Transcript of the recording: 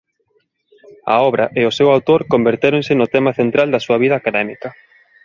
A obra e o seu autor convertéronse no tema central da súa vida académica.